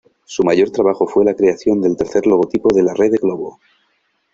Su mayor trabajo fue la creación del tercer logotipo de la Rede Globo.